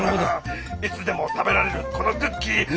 いつでも食べられるこのクッキー！